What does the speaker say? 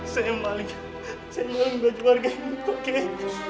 saya kembalikan saya kembalikan baju warga ibu pak kiai